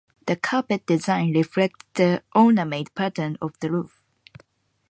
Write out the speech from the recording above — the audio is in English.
The carpet design reflects the ornate pattern of the roof.